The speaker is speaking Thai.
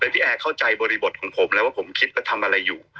พี่แอร์เข้าใจบริบทของผมแล้วว่าผมคิดว่าทำอะไรอยู่